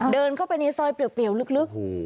เดินเข้าไปในซอยเปรียวลึก